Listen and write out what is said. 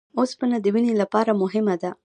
اوسپنه د وینې لپاره مهمه ده